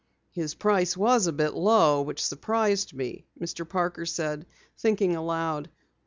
"His price was a bit low, which surprised me," Mr. Parker said, thinking aloud.